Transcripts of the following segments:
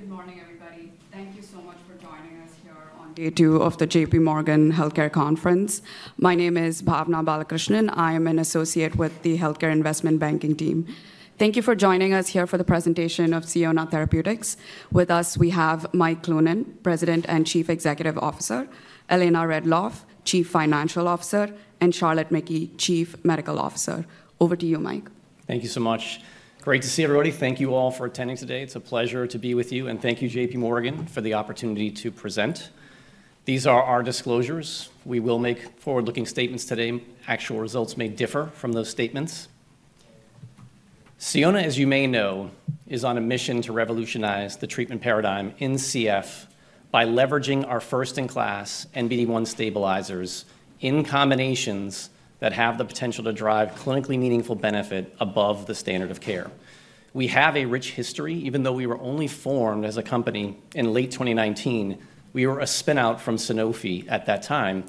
Good morning, everybody. Thank you so much for joining us here on Day 2 of the J.P. Morgan Healthcare Conference. My name is Bhavana Balakrishnan. I am an associate with the Healthcare Investment Banking team. Thank you for joining us here for the presentation of Sionna Therapeutics. With us, we have Mike Cloonan, President and Chief Executive Officer, Elena Ridloff, Chief Financial Officer, and Charlotte McKee, Chief Medical Officer. Over to you, Mike. Thank you so much. Great to see everybody. Thank you all for attending today. It's a pleasure to be with you, and thank you, J.P. Morgan, for the opportunity to present. These are our disclosures. We will make forward-looking statements today. Actual results may differ from those statements. Sionna, as you may know, is on a mission to revolutionize the treatment paradigm in CF by leveraging our first-in-class NBD1 stabilizers in combinations that have the potential to drive clinically meaningful benefit above the standard of care. We have a rich history. Even though we were only formed as a company in late 2019, we were a spinout from Sanofi at that time.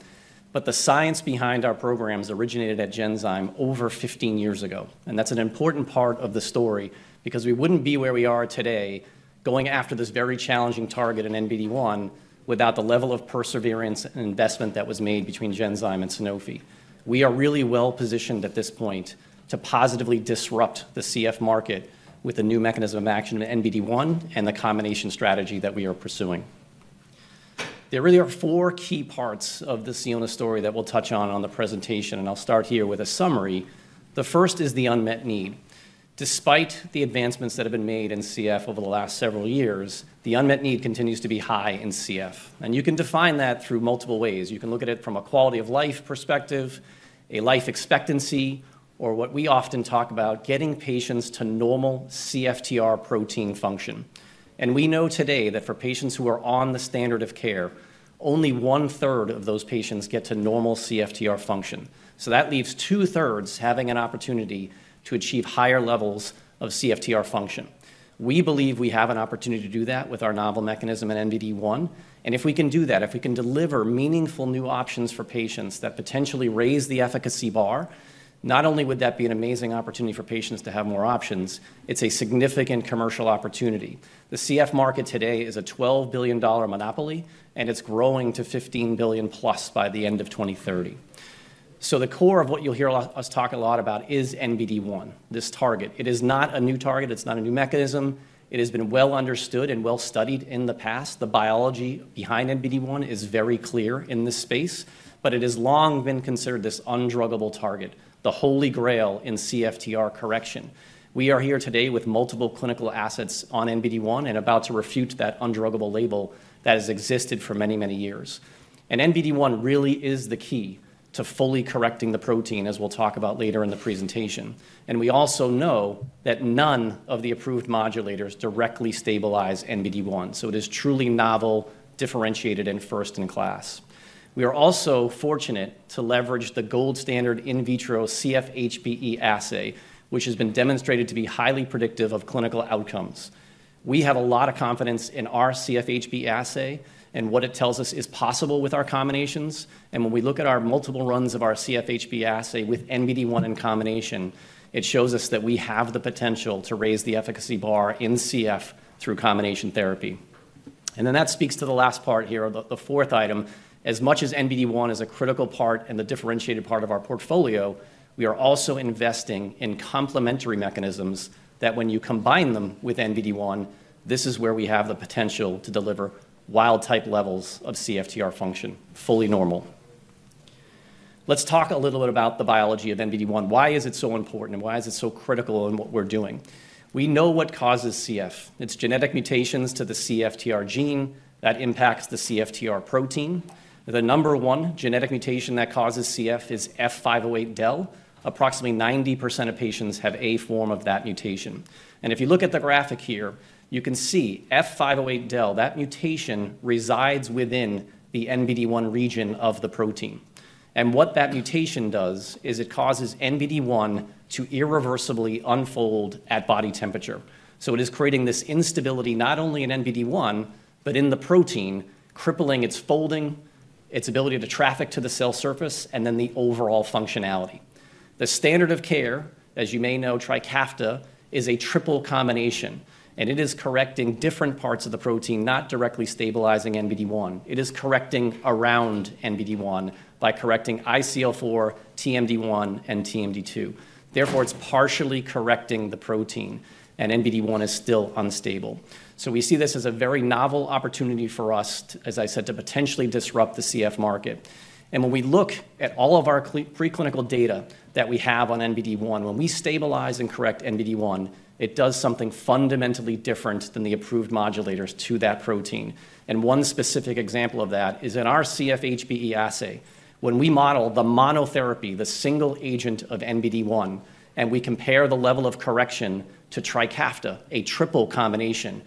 But the science behind our programs originated at Genzyme over 15 years ago. That's an important part of the story because we wouldn't be where we are today going after this very challenging target in NBD1 without the level of perseverance and investment that was made between Genzyme and Sanofi. We are really well-positioned at this point to positively disrupt the CF market with a new mechanism of action in NBD1 and the combination strategy that we are pursuing. There really are four key parts of the Sionna story that we'll touch on in the presentation, and I'll start here with a summary. The first is the unmet need. Despite the advancements that have been made in CF over the last several years, the unmet need continues to be high in CF. You can define that through multiple ways. You can look at it from a quality-of-life perspective, a life expectancy, or what we often talk about, getting patients to normal CFTR protein function. And we know today that for patients who are on the standard of care, only one-third of those patients get to normal CFTR function. So that leaves two-thirds having an opportunity to achieve higher levels of CFTR function. We believe we have an opportunity to do that with our novel mechanism in NBD1. And if we can do that, if we can deliver meaningful new options for patients that potentially raise the efficacy bar, not only would that be an amazing opportunity for patients to have more options, it's a significant commercial opportunity. The CF market today is a $12 billion monopoly, and it's growing to $15 billion plus by the end of 2030. The core of what you'll hear us talk a lot about is NBD1, this target. It is not a new target. It's not a new mechanism. It has been well-understood and well-studied in the past. The biology behind NBD1 is very clear in this space, but it has long been considered this undruggable target, the holy grail in CFTR correction. We are here today with multiple clinical assets on NBD1 and about to refute that undruggable label that has existed for many, many years. NBD1 really is the key to fully correcting the protein, as we'll talk about later in the presentation. We also know that none of the approved modulators directly stabilize NBD1, so it is truly novel, differentiated, and first-in-class. We are also fortunate to leverage the gold standard in vitro CFHBE assay, which has been demonstrated to be highly predictive of clinical outcomes. We have a lot of confidence in our CFHBE assay and what it tells us is possible with our combinations. And when we look at our multiple runs of our CFHBE assay with NBD1 in combination, it shows us that we have the potential to raise the efficacy bar in CF through combination therapy. And then that speaks to the last part here, the fourth item. As much as NBD1 is a critical part and the differentiated part of our portfolio, we are also investing in complementary mechanisms that, when you combine them with NBD1, this is where we have the potential to deliver wild-type levels of CFTR function fully normal. Let's talk a little bit about the biology of NBD1. Why is it so important, and why is it so critical in what we're doing? We know what causes CF. It's genetic mutations to the CFTR gene that impact the CFTR protein. The number one genetic mutation that causes CF is F508del. Approximately 90% of patients have a form of that mutation, and if you look at the graphic here, you can see F508del, that mutation resides within the NBD1 region of the protein, and what that mutation does is it causes NBD1 to irreversibly unfold at body temperature, so it is creating this instability not only in NBD1, but in the protein, crippling its folding, its ability to traffic to the cell surface, and then the overall functionality. The standard of care, as you may know, Trikafta, is a triple combination, and it is correcting different parts of the protein, not directly stabilizing NBD1. It is correcting around NBD1 by correcting ICL4, TMD1, and TMD2. Therefore, it's partially correcting the protein, and NBD1 is still unstable. So we see this as a very novel opportunity for us, as I said, to potentially disrupt the CF market. And when we look at all of our preclinical data that we have on NBD1, when we stabilize and correct NBD1, it does something fundamentally different than the approved modulators to that protein. And one specific example of that is in our CFHBE assay. When we model the monotherapy, the single agent of NBD1, and we compare the level of correction to Trikafta, a triple combination,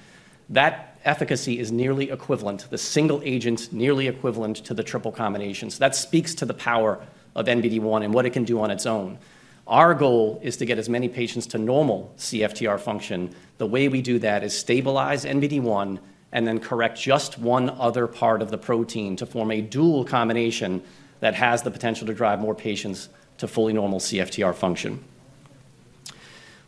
that efficacy is nearly equivalent, the single agent nearly equivalent to the triple combination. So that speaks to the power of NBD1 and what it can do on its own. Our goal is to get as many patients to normal CFTR function. The way we do that is stabilize NBD1 and then correct just one other part of the protein to form a dual combination that has the potential to drive more patients to fully normal CFTR function.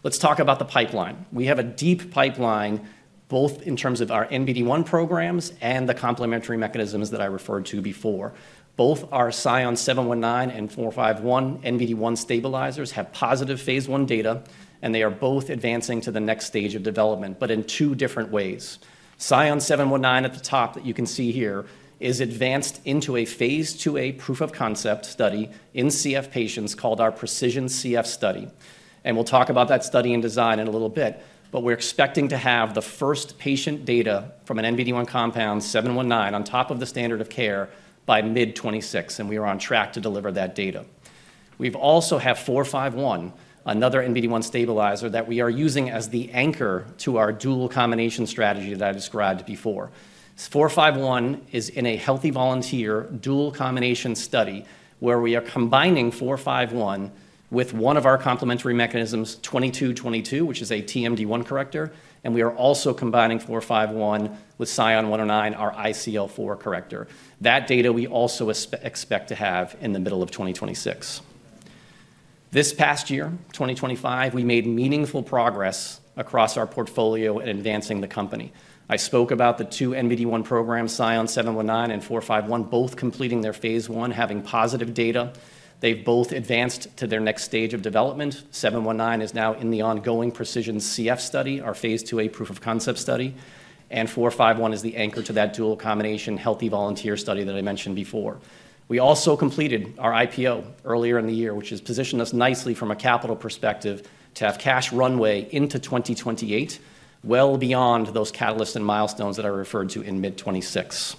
Let's talk about the pipeline. We have a deep pipeline, both in terms of our NBD1 programs and the complementary mechanisms that I referred to before. Both our SION-719 and SION-451 NBD1 stabilizers have positive phase I data, and they are both advancing to the next stage of development, but in two different ways. SION-719 at the top that you can see here is advanced into a phase IIA proof-of-concept study in CF patients called our Precision CF Study. And we'll talk about that study and design in a little bit, but we're expecting to have the first patient data from an NBD1 compound, 719, on top of the standard of care by mid-2026, and we are on track to deliver that data. We also have 451, another NBD1 stabilizer that we are using as the anchor to our dual combination strategy that I described before. 451 is in a healthy volunteer dual combination study where we are combining 451 with one of our complementary mechanisms, 2222, which is a TMD1 corrector, and we are also combining 451 with SION-109, our ICL4 corrector. That data we also expect to have in the middle of 2026. This past year, 2025, we made meaningful progress across our portfolio in advancing the company. I spoke about the two NBD1 programs, SION-719 and SION-451, both completing their phase I, having positive data. They've both advanced to their next stage of development. SION-719 is now in the ongoing Precision CF Study, our phase IIA proof-of-concept study, and SION-451 is the anchor to that dual combination healthy volunteer study that I mentioned before. We also completed our IPO earlier in the year, which has positioned us nicely from a capital perspective to have cash runway into 2028, well beyond those catalysts and milestones that I referred to in mid-26.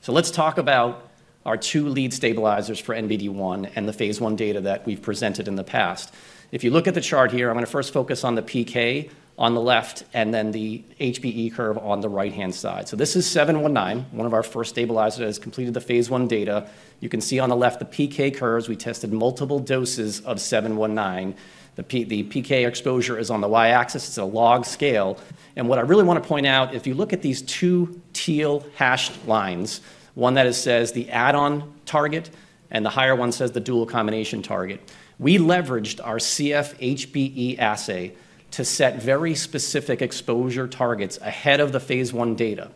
So let's talk about our two lead stabilizers for NBD1 and the phase I data that we've presented in the past. If you look at the chart here, I'm going to first focus on the PK on the left and then the HBE curve on the right-hand side. So this is 719, one of our first stabilizers that has completed the phase I data. You can see on the left the PK curves. We tested multiple doses of 719. The PK exposure is on the y-axis. It's a log scale. And what I really want to point out, if you look at these two teal hatched lines, one that says the add-on target and the higher one says the dual combination target, we leveraged our CFHBE assay to set very specific exposure targets ahead of the phase I data.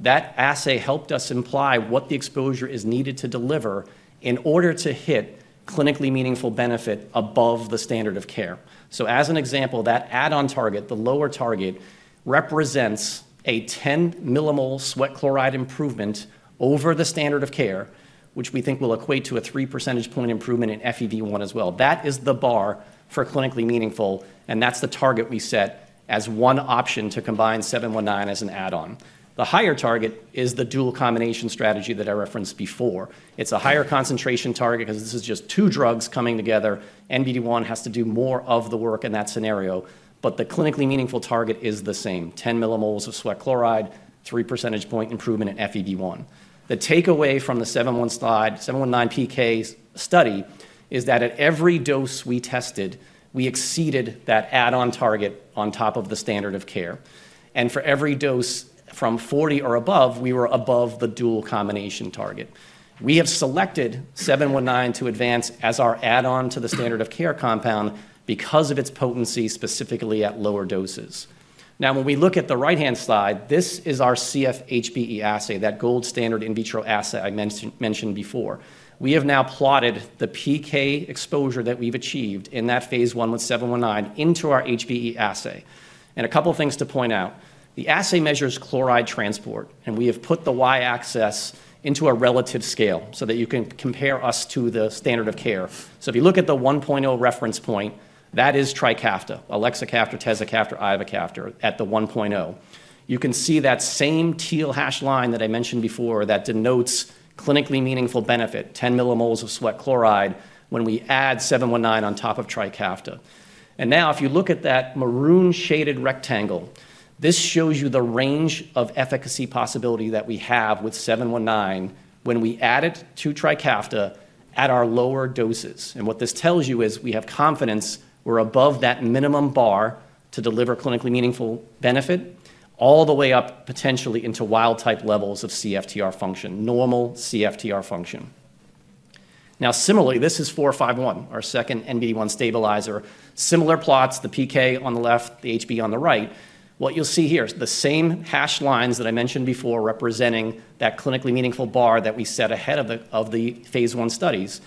That assay helped us imply what the exposure is needed to deliver in order to hit clinically meaningful benefit above the standard of care. As an example, that add-on target, the lower target, represents a 10 mmol sweat chloride improvement over the standard of care, which we think will equate to a 3 percentage point improvement in FEV1 as well. That is the bar for clinically meaningful, and that's the target we set as one option to combine 719 as an add-on. The higher target is the dual combination strategy that I referenced before. It's a higher concentration target because this is just two drugs coming together. NBD1 has to do more of the work in that scenario, but the clinically meaningful target is the same: 10 mmol of sweat chloride, 3 percentage point improvement in FEV1. The takeaway from the 719 PK study is that at every dose we tested, we exceeded that add-on target on top of the standard of care. For every dose from 40 or above, we were above the dual combination target. We have selected 719 to advance as our add-on to the standard of care compound because of its potency specifically at lower doses. Now, when we look at the right-hand side, this is our CFHBE assay, that gold standard in vitro assay I mentioned before. We have now plotted the PK exposure that we've achieved in that phase I with 719 into our HBE assay. A couple of things to point out. The assay measures chloride transport, and we have put the y-axis into a relative scale so that you can compare us to the standard of care. So if you look at the 1.0 reference point, that is Trikafta, elexacaftor, tezacaftor, ivacaftor at the 1.0. You can see that same teal hash line that I mentioned before that denotes clinically meaningful benefit, 10 mmol of sweat chloride when we add 719 on top of Trikafta, and now, if you look at that maroon-shaded rectangle, this shows you the range of efficacy possibility that we have with 719 when we add it to Trikafta at our lower doses, and what this tells you is we have confidence we're above that minimum bar to deliver clinically meaningful benefit all the way up potentially into wild-type levels of CFTR function, normal CFTR function. Now, similarly, this is 451, our second NBD1 stabilizer. Similar plots, the PK on the left, the HB on the right. What you'll see here is the same hash lines that I mentioned before representing that clinically meaningful bar that we set ahead of the phase I studies.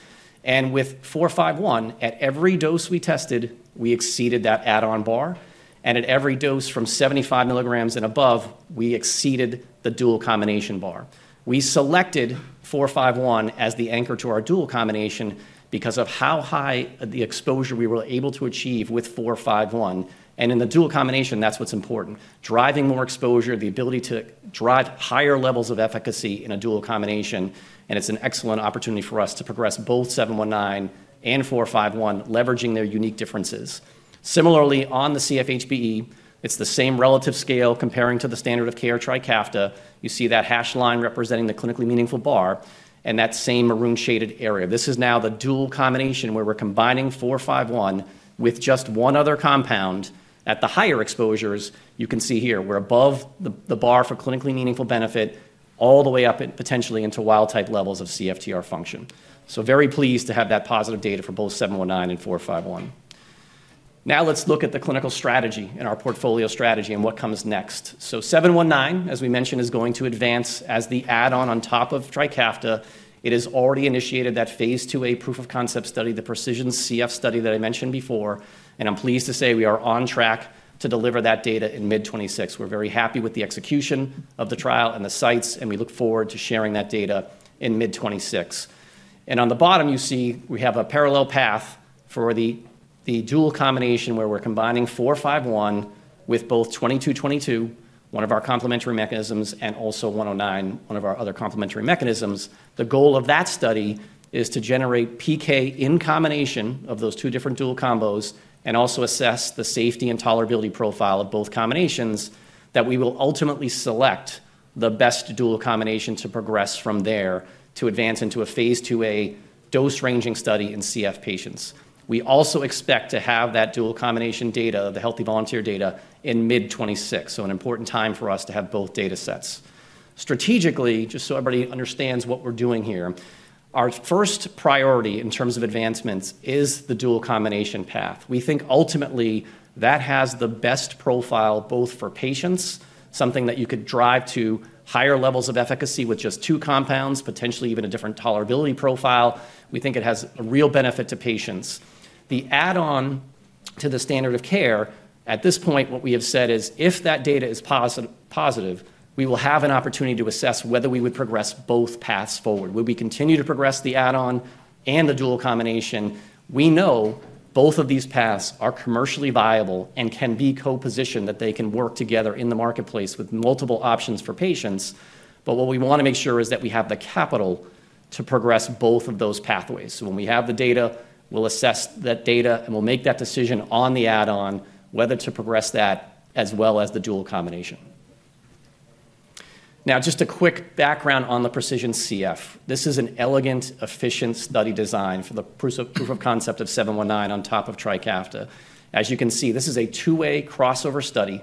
And with 451, at every dose we tested, we exceeded that add-on bar, and at every dose from 75 milligrams and above, we exceeded the dual combination bar. We selected 451 as the anchor to our dual combination because of how high the exposure we were able to achieve with 451. And in the dual combination, that's what's important: driving more exposure, the ability to drive higher levels of efficacy in a dual combination, and it's an excellent opportunity for us to progress both 719 and 451, leveraging their unique differences. Similarly, on the CFHBE, it's the same relative scale comparing to the standard of care Trikafta. You see that hash line representing the clinically meaningful bar and that same maroon-shaded area. This is now the dual combination where we're combining 451 with just one other compound at the higher exposures. You can see here we're above the bar for clinically meaningful benefit all the way up potentially into wild-type levels of CFTR function. So very pleased to have that positive data for both 719 and 451. Now let's look at the clinical strategy and our portfolio strategy and what comes next. So 719, as we mentioned, is going to advance as the add-on on top of Trikafta. It has already initiated that phase IIA proof-of-concept study, the Precision CF study that I mentioned before, and I'm pleased to say we are on track to deliver that data in mid-2026. We're very happy with the execution of the trial and the sites, and we look forward to sharing that data in mid-2026. And on the bottom, you see we have a parallel path for the dual combination where we're combining 451 with both 2222, one of our complementary mechanisms, and also 109, one of our other complementary mechanisms. The goal of that study is to generate PK in combination of those two different dual combos and also assess the safety and tolerability profile of both combinations that we will ultimately select the best dual combination to progress from there to advance into a phase IIA dose-ranging study in CF patients. We also expect to have that dual combination data, the healthy volunteer data, in mid-2026, so an important time for us to have both data sets. Strategically, just so everybody understands what we're doing here, our first priority in terms of advancements is the dual combination path. We think ultimately that has the best profile both for patients, something that you could drive to higher levels of efficacy with just two compounds, potentially even a different tolerability profile. We think it has a real benefit to patients. The add-on to the standard of care, at this point, what we have said is if that data is positive, we will have an opportunity to assess whether we would progress both paths forward. Will we continue to progress the add-on and the dual combination? We know both of these paths are commercially viable and can be co-positioned that they can work together in the marketplace with multiple options for patients, but what we want to make sure is that we have the capital to progress both of those pathways. So when we have the data, we'll assess that data and we'll make that decision on the add-on whether to progress that as well as the dual combination. Now, just a quick background on the Precision CF. This is an elegant, efficient study design for the proof-of-concept of 719 on top of Trikafta. As you can see, this is a 2A crossover study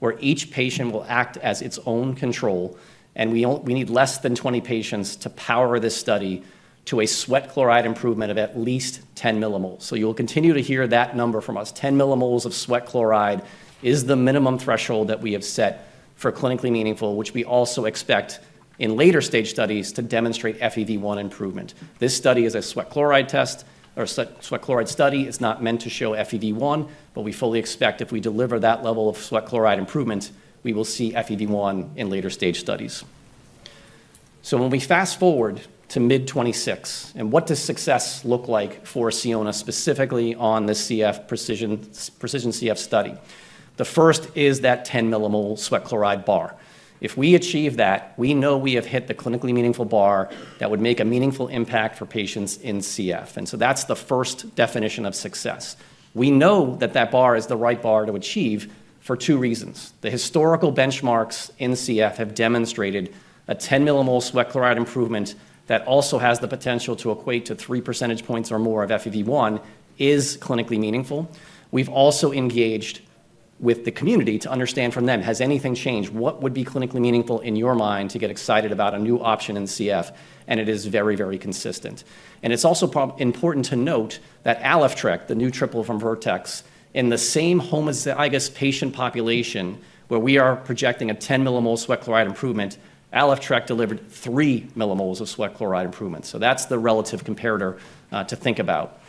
where each patient will act as its own control, and we need less than 20 patients to power this study to a sweat chloride improvement of at least 10 mmol. So you'll continue to hear that number from us. 10 mmol of sweat chloride is the minimum threshold that we have set for clinically meaningful, which we also expect in later stage studies to demonstrate FEV1 improvement. This study is a sweat chloride test or sweat chloride study. It's not meant to show FEV1, but we fully expect if we deliver that level of sweat chloride improvement, we will see FEV1 in later stage studies. So when we fast forward to mid-2026, and what does success look like for Sionna specifically on the Precision CF study? The first is that 10 mmol sweat chloride bar. If we achieve that, we know we have hit the clinically meaningful bar that would make a meaningful impact for patients in CF. And so that's the first definition of success. We know that that bar is the right bar to achieve for two reasons. The historical benchmarks in CF have demonstrated a 10 mmol sweat chloride improvement that also has the potential to equate to three percentage points or more of FEV1, is clinically meaningful. We've also engaged with the community to understand from them, has anything changed? What would be clinically meaningful in your mind to get excited about a new option in CF? And it is very, very consistent. And it's also important to note that Alyftrek, the new triple from Vertex, in the same homozygous patient population where we are projecting a 10 mmol sweat chloride improvement, Alyftrek delivered three mmol of sweat chloride improvement. So that's the relative comparator to think about.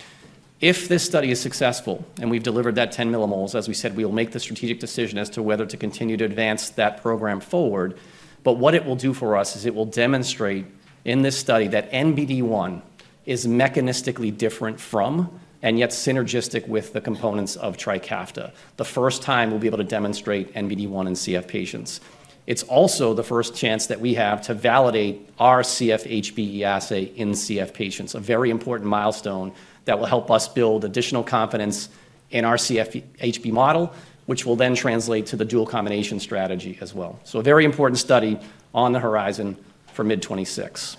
If this study is successful and we've delivered that 10 mmol, as we said, we will make the strategic decision as to whether to continue to advance that program forward. But what it will do for us is it will demonstrate in this study that NBD1 is mechanistically different from and yet synergistic with the components of Trikafta. The first time we'll be able to demonstrate NBD1 in CF patients. It's also the first chance that we have to validate our CFHBE assay in CF patients, a very important milestone that will help us build additional confidence in our CFHBE model, which will then translate to the dual combination strategy as well. So a very important study on the horizon for mid-2026.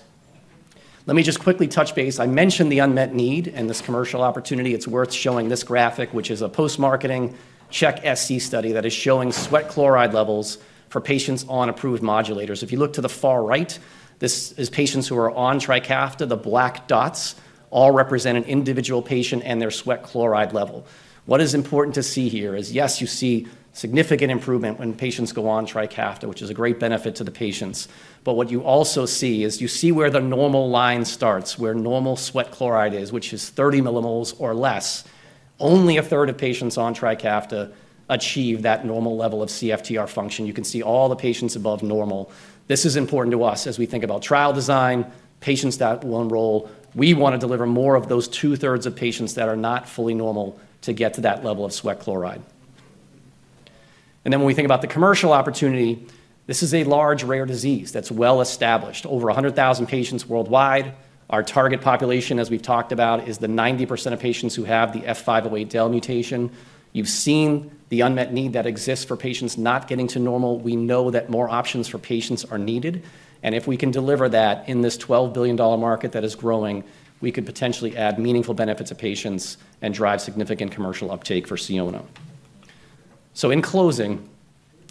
Let me just quickly touch base. I mentioned the unmet need and this commercial opportunity. It's worth showing this graphic, which is a post-marketing CHEC-SC study that is showing sweat chloride levels for patients on approved modulators. If you look to the far right, this is patients who are on Trikafta. The black dots all represent an individual patient and their sweat chloride level. What is important to see here is, yes, you see significant improvement when patients go on Trikafta, which is a great benefit to the patients. But what you also see is you see where the normal line starts, where normal sweat chloride is, which is 30 mmol or less. Only a third of patients on Trikafta achieve that normal level of CFTR function. You can see all the patients above normal. This is important to us as we think about trial design, patients that will enroll. We want to deliver more of those two-thirds of patients that are not fully normal to get to that level of sweat chloride. And then when we think about the commercial opportunity, this is a large, rare disease that's well established. Over 100,000 patients worldwide. Our target population, as we've talked about, is the 90% of patients who have the F508del mutation. You've seen the unmet need that exists for patients not getting to normal. We know that more options for patients are needed. If we can deliver that in this $12 billion market that is growing, we could potentially add meaningful benefits to patients and drive significant commercial uptake for Sionna. In closing,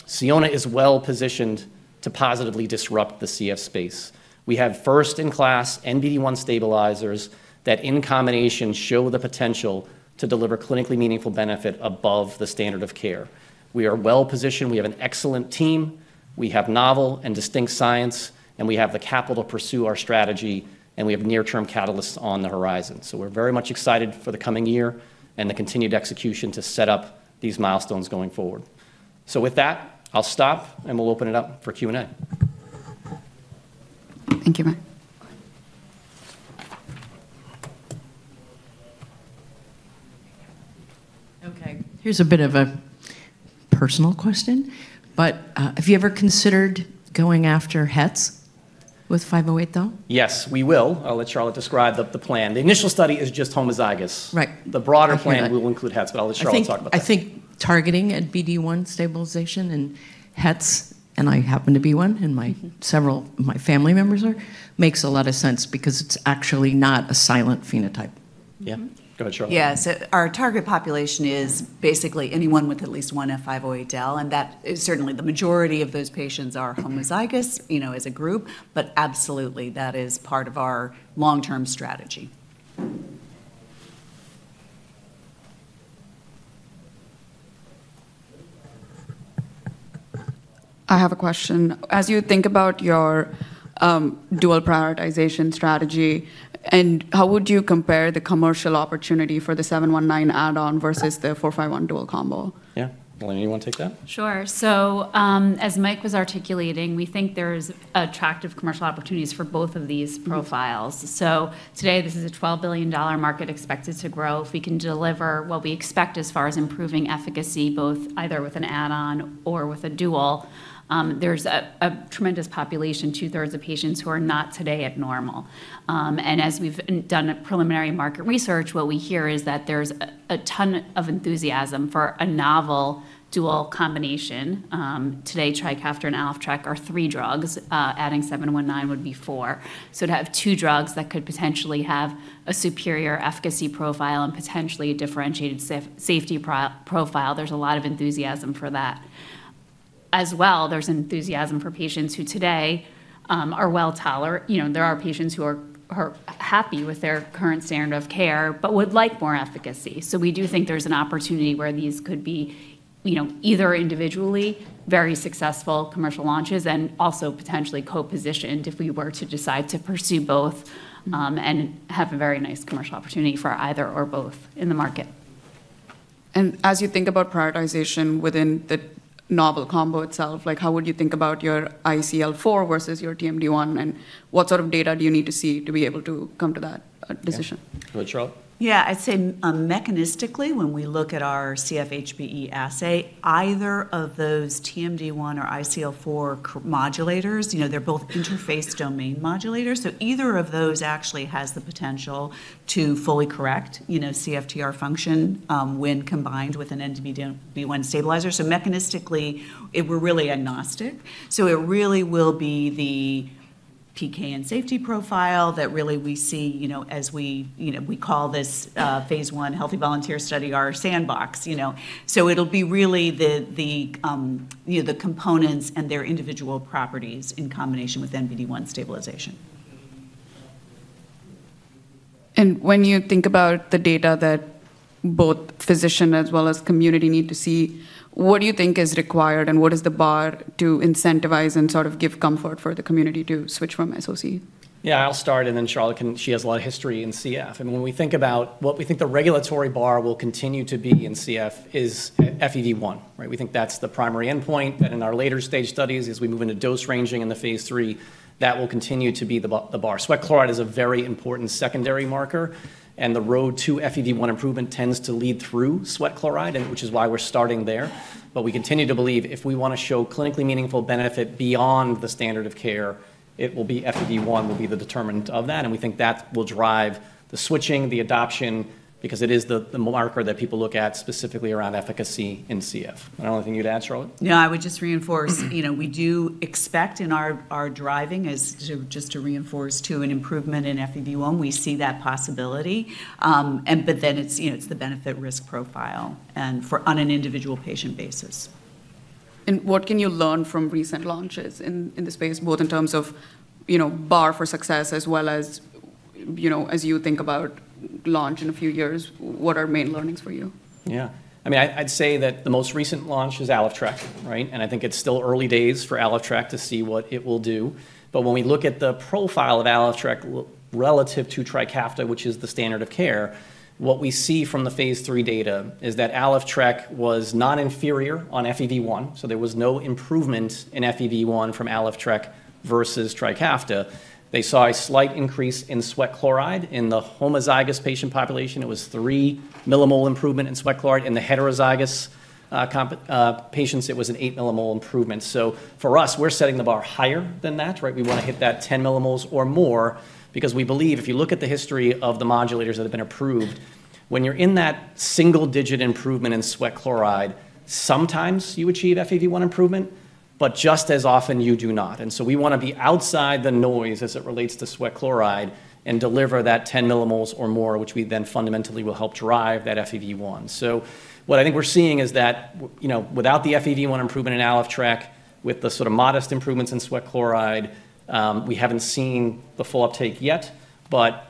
Sionna is well positioned to positively disrupt the CF space. We have first-in-class NBD1 stabilizers that in combination show the potential to deliver clinically meaningful benefit above the standard of care. We are well positioned. We have an excellent team. We have novel and distinct science, and we have the capital to pursue our strategy, and we have near-term catalysts on the horizon. We're very much excited for the coming year and the continued execution to set up these milestones going forward. With that, I'll stop, and we'll open it up for Q&A. Thank you, Mark. Okay. Here's a bit of a personal question, but have you ever considered going after Hets with 508, though? Yes, we will. I'll let Charlotte describe the plan. The initial study is just homozygous. The broader plan will include Hets, but I'll let Charlotte talk about that. I think targeting NBD1 stabilization and Hets, and I happen to be one and my family members are, makes a lot of sense because it's actually not a silent phenotype. Yeah. Go ahead, Charlotte. Yes. Our target population is basically anyone with at least one F508del, and that is certainly the majority of those patients are homozygous as a group, but absolutely that is part of our long-term strategy. I have a question. As you think about your dual prioritization strategy, how would you compare the commercial opportunity for the 719 add-on versus the 451 dual combo? Yeah. Elena, you want to take that? Sure. So as Mike was articulating, we think there's attractive commercial opportunities for both of these profiles. So today, this is a $12 billion market expected to grow. If we can deliver what we expect as far as improving efficacy, both either with an add-on or with a dual, there's a tremendous population, two-thirds of patients who are not today at normal. And as we've done preliminary market research, what we hear is that there's a ton of enthusiasm for a novel dual combination. Today, Trikafta and Alyftrek are three drugs. Adding 719 would be four. So to have two drugs that could potentially have a superior efficacy profile and potentially a differentiated safety profile, there's a lot of enthusiasm for that. As well, there's enthusiasm for patients who today are well tolerated. There are patients who are happy with their current standard of care but would like more efficacy. We do think there's an opportunity where these could be either individually very successful commercial launches and also potentially co-positioned if we were to decide to pursue both and have a very nice commercial opportunity for either or both in the market. As you think about prioritization within the novel combo itself, how would you think about your ICL4 versus your TMD1, and what sort of data do you need to see to be able to come to that decision? Go ahead, Charlotte. Yeah. I'd say mechanistically, when we look at our CFHBE assay, either of those TMD1 or ICL4 modulators, they're both interface domain modulators. So either of those actually has the potential to fully correct CFTR function when combined with an NBD1 stabilizer. So mechanistically, we're really agnostic. So it really will be the PK and safety profile that really we see as we call this phase I healthy volunteer study our sandbox. So it'll be really the components and their individual properties in combination with NBD1 stabilization. When you think about the data that both physicians as well as community need to see, what do you think is required and what is the bar to incentivize and sort of give comfort for the community to switch from SOC? Yeah, I'll start, and then Charlotte, she has a lot of history in CF. When we think about what we think the regulatory bar will continue to be in CF is FEV1. We think that's the primary endpoint. Then in our later stage studies, as we move into dose ranging in the phase III, that will continue to be the bar. Sweat chloride is a very important secondary marker, and the road to FEV1 improvement tends to lead through sweat chloride, which is why we're starting there. We continue to believe if we want to show clinically meaningful benefit beyond the standard of care, it will be FEV1 will be the determinant of that. We think that will drive the switching, the adoption, because it is the marker that people look at specifically around efficacy in CF. I don't think you'd add, Charlotte? No, I would just reinforce we do expect in our driving, just to reinforce too, an improvement in FEV1. We see that possibility, but then it's the benefit-risk profile on an individual patient basis. What can you learn from recent launches in the space, both in terms of bar for success as well as you think about launch in a few years? What are main learnings for you? Yeah. I mean, I'd say that the most recent launch is Alyftrek, and I think it's still early days for Alyftrek to see what it will do. But when we look at the profile of Alyftrek relative to Trikafta, which is the standard of care, what we see from the phaseIII data is that Alyftrek was not inferior on FEV1. So there was no improvement in FEV1 from Alyftrek versus Trikafta. They saw a slight increase in sweat chloride in the homozygous patient population. It was 3 mmol improvement in sweat chloride. In the heterozygous patients, it was an 8 mmol improvement. So for us, we're setting the bar higher than that. We want to hit that 10 mmol or more because we believe if you look at the history of the modulators that have been approved, when you're in that single-digit improvement in sweat chloride, sometimes you achieve FEV1 improvement, but just as often you do not, and so we want to be outside the noise as it relates to sweat chloride and deliver that 10 mmol or more, which we then fundamentally will help drive that FEV1, so what I think we're seeing is that without the FEV1 improvement in Alyftrek with the sort of modest improvements in sweat chloride, we haven't seen the full uptake yet, but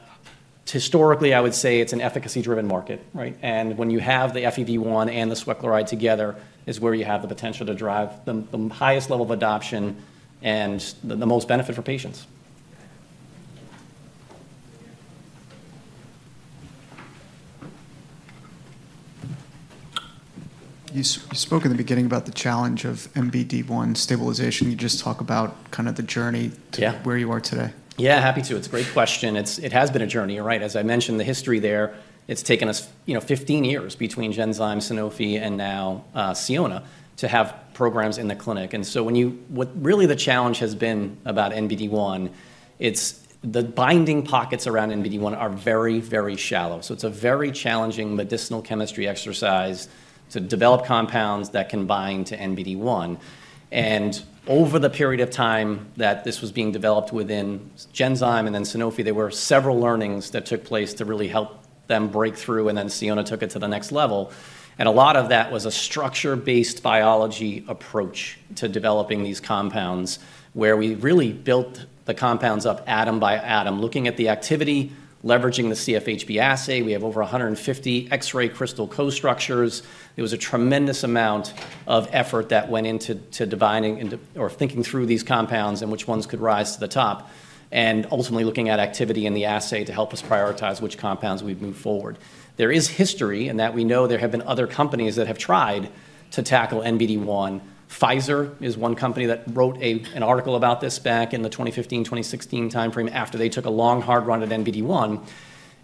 historically, I would say it's an efficacy-driven market, and when you have the FEV1 and the sweat chloride together is where you have the potential to drive the highest level of adoption and the most benefit for patients. You spoke in the beginning about the challenge of NBD1 stabilization. You just talk about kind of the journey to where you are today. Yeah, happy to. It's a great question. It has been a journey. As I mentioned, the history there, it's taken us 15 years between Genzyme, Sanofi, and now Sionna to have programs in the clinic, and so what really the challenge has been about NBD1, the binding pockets around NBD1 are very, very shallow. So it's a very challenging medicinal chemistry exercise to develop compounds that can bind to NBD1, and over the period of time that this was being developed within Genzyme and then Sanofi, there were several learnings that took place to really help them break through, and then Sionna took it to the next level. And a lot of that was a structure-based biology approach to developing these compounds where we really built the compounds up atom by atom, looking at the activity, leveraging the CFHBE assay. We have over 150 X-ray crystal co-structures. It was a tremendous amount of effort that went into thinking through these compounds and which ones could rise to the top, and ultimately looking at activity in the assay to help us prioritize which compounds we move forward. There is history in that we know there have been other companies that have tried to tackle NBD1. Pfizer is one company that wrote an article about this back in the 2015, 2016 timeframe after they took a long hard run at NBD1.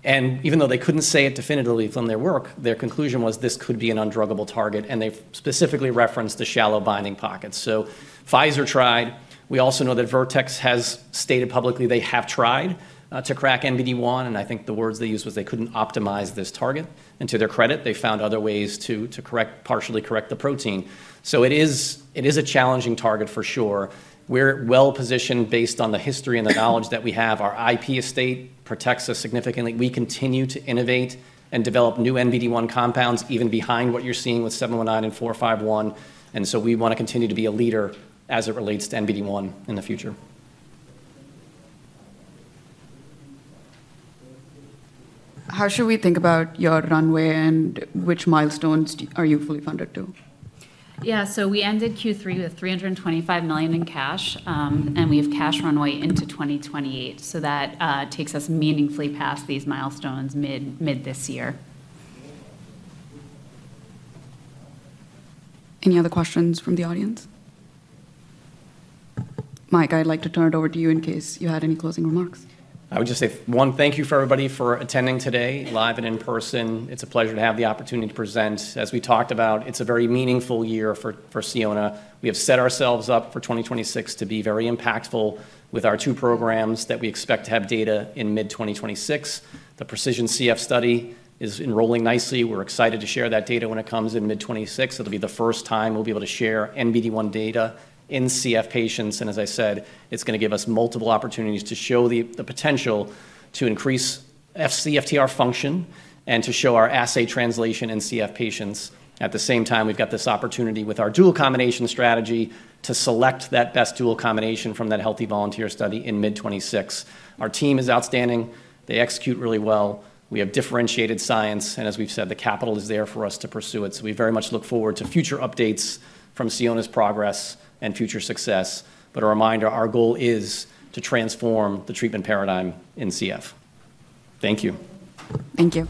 And even though they couldn't say it definitively from their work, their conclusion was this could be an undruggable target, and they specifically referenced the shallow binding pockets, so Pfizer tried. We also know that Vertex has stated publicly they have tried to crack NBD1, and I think the words they used was they couldn't optimize this target. To their credit, they found other ways to partially correct the protein. It is a challenging target for sure. We're well positioned based on the history and the knowledge that we have. Our IP estate protects us significantly. We continue to innovate and develop new NBD1 compounds even behind what you're seeing with 719 and 451. We want to continue to be a leader as it relates to NBD1 in the future. How should we think about your runway and which milestones are you fully funded to? Yeah, so we ended Q3 with $325 million in cash, and we have cash runway into 2028, so that takes us meaningfully past these milestones mid this year. Any other questions from the audience? Mike, I'd like to turn it over to you in case you had any closing remarks. I would just say, one, thank you for everybody for attending today, live and in person. It's a pleasure to have the opportunity to present. As we talked about, it's a very meaningful year for Sionna. We have set ourselves up for 2026 to be very impactful with our two programs that we expect to have data in mid 2026. The precision CF study is enrolling nicely. We're excited to share that data when it comes in mid 2026. It'll be the first time we'll be able to share NBD1 data in CF patients. And as I said, it's going to give us multiple opportunities to show the potential to increase CFTR function and to show our assay translation in CF patients. At the same time, we've got this opportunity with our dual combination strategy to select that best dual combination from that healthy volunteer study in mid 2026. Our team is outstanding. They execute really well. We have differentiated science, and as we've said, the capital is there for us to pursue it. So we very much look forward to future updates from Sionna's progress and future success. But a reminder, our goal is to transform the treatment paradigm in CF. Thank you. Thank you.